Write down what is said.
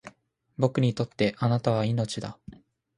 僕にとって貴方は命だ